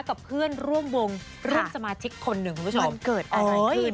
กับเพื่อนร่วมวงร่วมสมาชิกคนหนึ่งคุณผู้ชมมันเกิดอะไรขึ้น